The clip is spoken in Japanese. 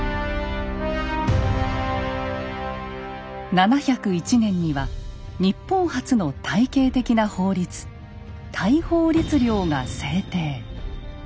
７０１年には日本初の体系的な法律「大宝律令」が制定。